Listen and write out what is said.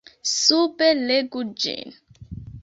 Sube legu ĝin.